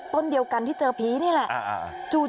ต้นเดียวกันที่เจอผีนี่แหละ